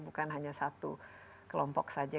bukan hanya satu kelompok saja